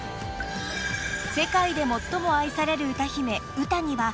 ［世界で最も愛される歌姫ウタには］